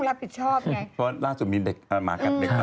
หมาหมาหมาหมาหมาหมาหมาหมาหมาหมา